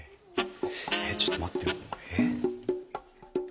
えっちょっと待ってよえっ？